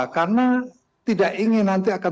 karena tidak ingin nanti akan